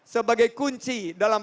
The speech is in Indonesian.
sebagai kunci dalam